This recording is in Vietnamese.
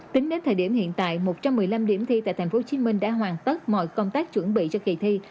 tính đến thời điểm hiện tại một trăm một mươi năm điểm thi tại tp hcm đã hoàn tất mọi công tác chuẩn bị cho kỳ thi